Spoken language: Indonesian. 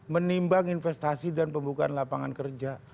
menimbang investasi dan pembukaan lapangan kerja